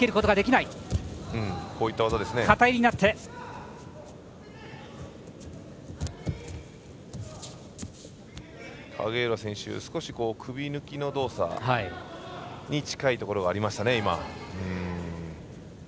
影浦選手、少し首抜きの動作に近いところがありましたね。